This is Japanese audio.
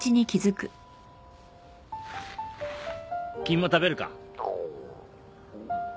君も食べるか？